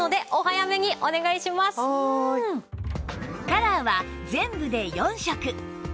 カラーは全部で４色